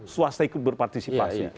swasta ikut berpartisipasi